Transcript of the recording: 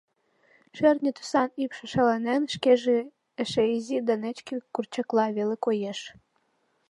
Шӧртньӧ тӱсан ӱпшӧ шаланен, шкеже эше изи да нечке курчакла веле коеш.